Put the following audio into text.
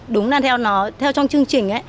đúng là theo nó theo trong chương trình